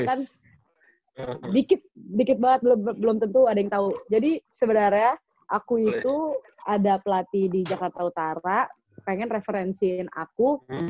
kan dikit dikit banget belum tentu ada yang tahu jadi sebenarnya aku itu ada pelatih di jakarta utara pengen referensi aku